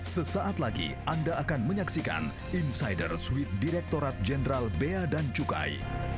sesaat lagi anda akan menyaksikan insider suite direktorat jenderal bea dan cukai